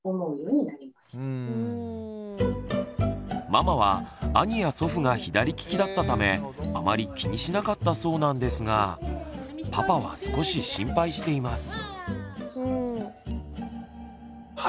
ママは兄や祖父が左利きだったためあまり気にしなかったそうなんですがパパは少し心配しています。